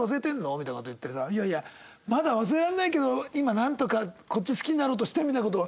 みたいな事言っててさ「いやいやまだ忘れられないけど今なんとかこっち好きになろうとしてる」みたいな事を。